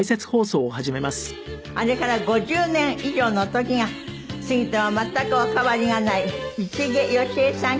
あれから５０年以上の時が過ぎても全くお変わりがない市毛良枝さん